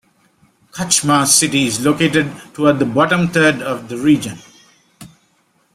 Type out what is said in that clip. Khachmas city is located toward the bottom third of the region.